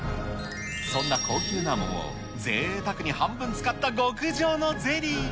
そんな高級な桃をぜいたくに半分使った極上のゼリー。